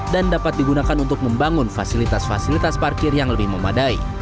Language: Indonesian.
dan dapat digunakan untuk membangun fasilitas fasilitas parkir yang lebih memadai